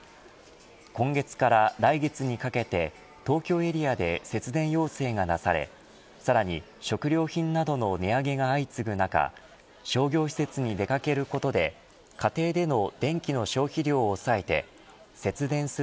今月から来月にかけて東京エリアで節電要請が出されさらに食料品などの値上げが相次ぐ中商業施設に出掛けることでビールサーバーがある夏夢だなあ。